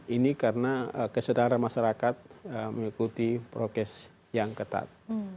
ini karena kesetaraan masyarakat mengikuti prokes yang ketat